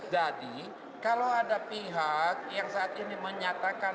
jadi kalau ada pihak yang saat ini menyarankan